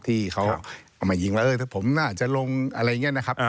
ที่เขาเอามายิงว่าเออถ้าผมน่าจะลงอะไรอย่างนี้นะครับ